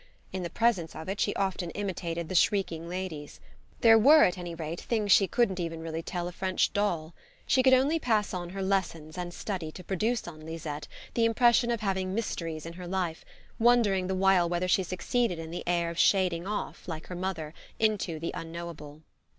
In the presence of it she often imitated the shrieking ladies. There were at any rate things she really couldn't tell even a French doll. She could only pass on her lessons and study to produce on Lisette the impression of having mysteries in her life, wondering the while whether she succeeded in the air of shading off, like her mother, into the unknowable.